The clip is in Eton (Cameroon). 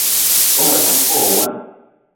Bogb-assi me ve wo wine.